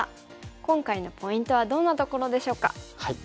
今回のポイントはどんなところでしょうか。